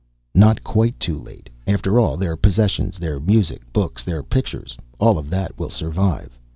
"Not quite too late. After all, their possessions, their music, books, their pictures, all of that will survive.